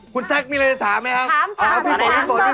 คุณแซ็กมีอะไรจะถามไหมพี่โปรดค่ะคำ